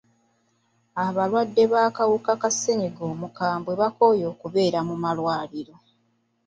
Abalwadde b'akawuka ka ssenyiga omukambwe bakooye okubeera mu ddwaliro.